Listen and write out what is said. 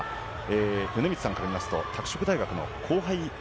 米満さんから見ますと拓殖大学の後輩。